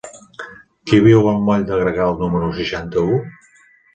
Qui viu al moll de Gregal número seixanta-u?